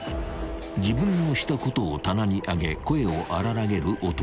［自分のしたことを棚に上げ声を荒らげる男］